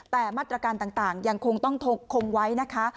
แต่มาตรการต่างยังคงต้องคงไว้นะคะ